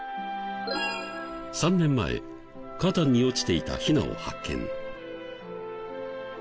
３年前花壇に落ちていたヒナを発見。